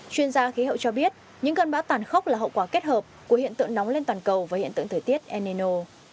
chuyên gia khí hậu cho biết những cơn bão tàn khốc là hậu quả kết hợp của hiện tượng nóng lên toàn cầu và hiện tượng thời tiết eneno